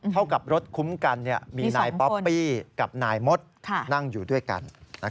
เท่ากับรถคุ้มกันมีนายป๊อปปี้กับนายมดนั่งอยู่ด้วยกัน